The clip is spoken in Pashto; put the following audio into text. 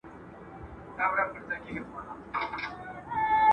ډېرې ښځي چې وروسته حامله کېږي، امکان لري کیڼ لاسي بچي وزېږوي.